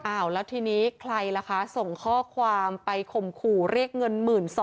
แล้วทีนี้ใครล่ะคะส่งข้อความไปข่มขู่เรียกเงิน๑๒๐๐